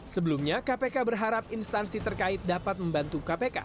sebelumnya kpk berharap instansi terkait dapat membantukan